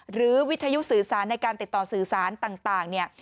วิทยุสื่อสารในการติดต่อสื่อสารต่างเนี่ย